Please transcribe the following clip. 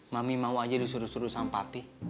mami mau aja disuruh suruh sama papi